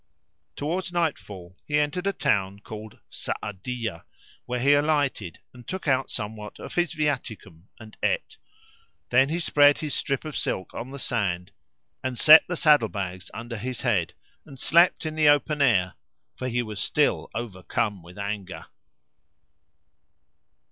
Towards night fall he entered a town called Sa'adiyah [FN#376] where he alighted and took out somewhat of his viaticum and ate; then he spread his strip of silk on the sand and set the saddle bags under his head and slept in the open air; for he was still overcome with anger.